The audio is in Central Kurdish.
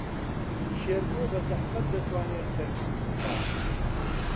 شێرکۆ بەزەحمەت دەتوانێت تەرکیز بکات.